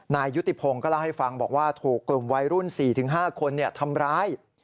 นายยุติพงศ์ก็เล่าให้ฟังบอกว่าถูกกลุ่มวัยรุ่น๔๕คนทำร้าย